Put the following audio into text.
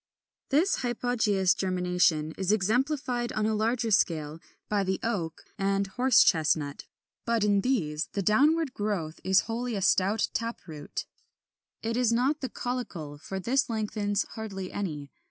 ] 28. This hypogæous germination is exemplified on a larger scale by the Oak (Fig. 36, 37) and Horse chestnut (Fig. 38, 39); but in these the downward growth is wholly a stout tap root. It is not the caulicle; for this lengthens hardly any.